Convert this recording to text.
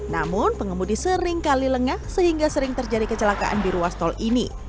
namun pengemudi sering kali lengah sehingga sering terjadi kecelakaan di ruas tol ini